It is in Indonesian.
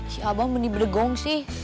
si abah benih bedegong sih